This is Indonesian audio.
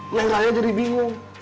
neng raya jadi bingung